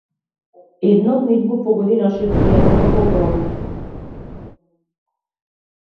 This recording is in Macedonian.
Една од нив го погоди нашиот пријател како гром.